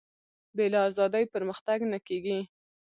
بې له ازادي پرمختګ نه کېږي.